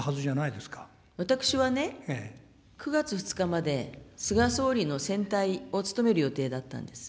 私はね、９月２日まで、菅総理の選対を務める予定だったんです。